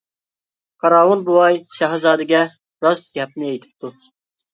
قاراۋۇل بوۋاي شاھزادىگە راست گەپنى ئېيتىپتۇ.